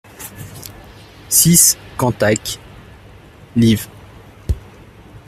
six Cantac, liv.